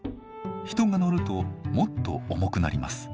人が乗るともっと重くなります。